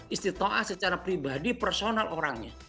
istri to'ah secara pribadi personal orangnya